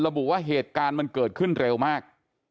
ระบุว่าเหตุการณ์มันเกิดขึ้นเร็วมาก